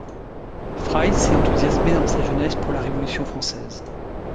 Fries s'est enthousiasmé dans sa jeunesse pour la Révolution française.